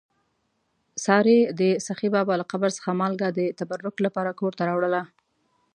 سارې د سخي بابا له قبر څخه مالګه د تبرک لپاره کور ته راوړله.